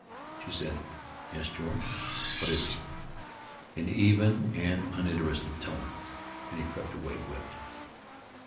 She said, "Yes, George, what is it?" in even and uninterested tones, and he crept away, whipped.